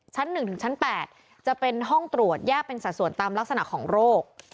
๑ถึงชั้น๘จะเป็นห้องตรวจแยกเป็นสัดส่วนตามลักษณะของโรค